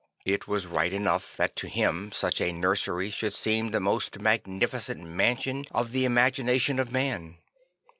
It was right enough that to him such a nursery should seem the most magnificent mansion of the imagina tion of man.